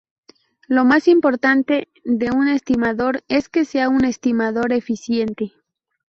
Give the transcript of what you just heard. Lo más importante de un estimador, es que sea un estimador eficiente.